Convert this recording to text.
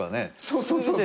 そうそう。